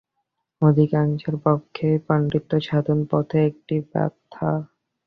অধিকাংশের পক্ষেই পাণ্ডিত্য সাধন-পথে একটি বাধা।